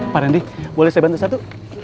pak randy boleh saya bantu satu